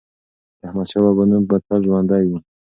د احمدشاه بابا نوم به تل ژوندی وي.